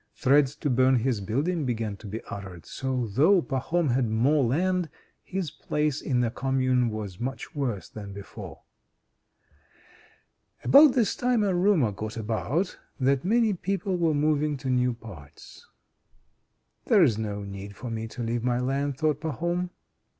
Threats to burn his building began to be uttered. So though Pahom had more land, his place in the Commune was much worse than before. About this time a rumor got about that many people were moving to new parts. "There's no need for me to leave my land," thought Pahom.